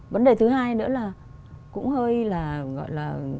vấn đề thứ hai nữa là cũng hơi là gọi là